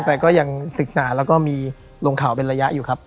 แต่ก็ยังศึกษาแล้วก็มีลงข่าวเป็นระยะอยู่ครับ